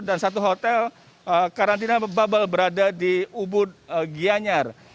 dan satu hotel karantina bubble berada di ubud gianyar